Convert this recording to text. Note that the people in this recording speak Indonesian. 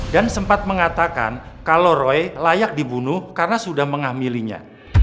dan sempat mengatakan kalau roy layak dibunuh karena sudah menghamilinya